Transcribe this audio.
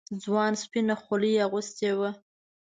ځوان سپينه خولۍ اغوستې وه.